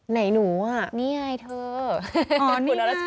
ไหนนูอะนี่ไงเธอภูมิหน้าละชบร้อน